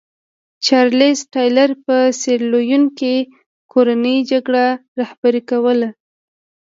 چارلېز ټایلر په سیریلیون کې کورنۍ جګړه رهبري کوله.